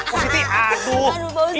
positi ada apa